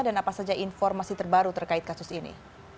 dan apa saja informasi terbaru terkait kasus ini